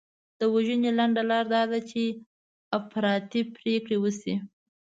د وژنې لنډه لار دا ده چې افراطي پرېکړې وشي.